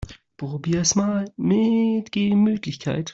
Probier's mal mit Gemütlichkeit!